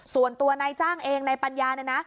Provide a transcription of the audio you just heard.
ส่วนตัวนายจ้างเองนายปัญญาเนี่ยนะ